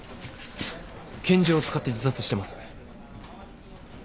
拳銃を使って自殺してます。